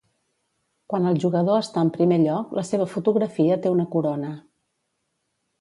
Quan el jugador està en primer lloc la seva fotografia té una corona.